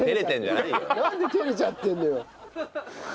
なんで照れちゃってるのよ。